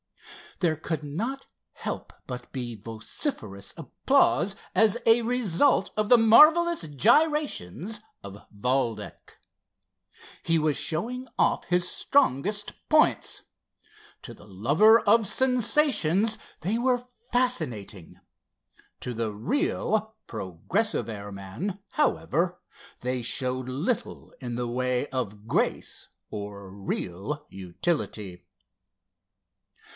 There could not help but be vociferous applause as a result of the marvellous gyrations of Valdec. He was showing off his strongest points. To the lover of sensations they were fascinating. To the real, progressive airman, however, they showed little in the way of grace or real utility.